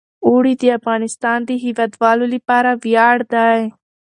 اوړي د افغانستان د هیوادوالو لپاره ویاړ دی.